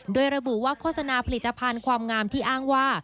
โดยระบุว่าโฆษณาผลิตภัณฑ์ความงามที่อ้างว่า